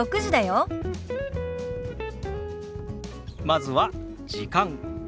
まずは「時間」。